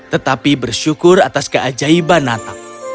tetapi bersyukur atas keajaiban natal